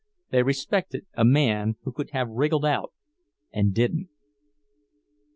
They respected a man who could have wriggled out and didn't.